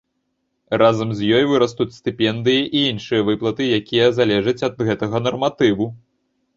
Разам з ёй вырастуць стыпендыі і іншыя выплаты, якія залежаць ад гэтага нарматыву.